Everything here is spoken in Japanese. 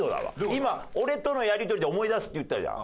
今「俺とのやり取りで思い出す」って言ったじゃん。